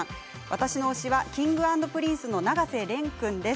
私の推しはＫｉｎｇ＆Ｐｒｉｎｃｅの永瀬廉君です。